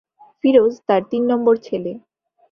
ফিরোজ তাঁর তিন নম্বর ছেলে।